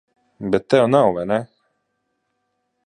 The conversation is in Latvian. Bet tev nav, vai ne?